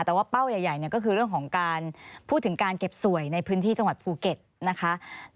แต่ว่าเป้าใหญ่ก็คือเรื่องของการพูดถึงการเก็บสวยในพื้นที่จังหวัดภูเก็ตนะคะ